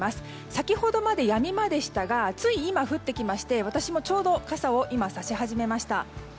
先ほどまでやみ間でしたがつい今降ってきまして、私も傘を今、さし始めました。